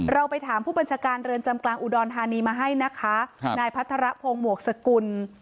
เราไปถามผู้บัญชาการเรือนจำกลางอุดรธานีมาให้นะคะนายพัทรพงศ์หมวกสกุล